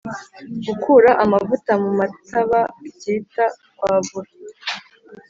Gukura amavuta mu matababyita Kwavura